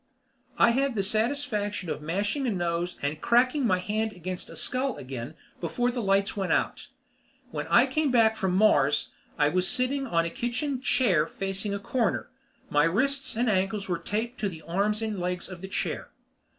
I had the satisfaction of mashing a nose and cracking my hand against a skull again before the lights went out. When I came back from Mars, I was sitting on a kitchen chair facing a corner. My wrists and ankles were taped to the arms and legs of the chair.